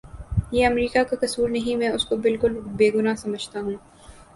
یہ امریکہ کا کسور نہیں میں اس کو بالکل بے گناہ سمجھتا ہوں